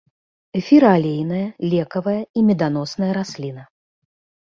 Эфіраалейная, лекавая і меданосная расліна.